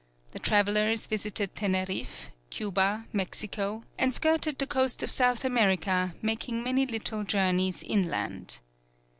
The travelers visited Teneriffe, Cuba, Mexico, and skirted the coast of South America, making many little journeys inland.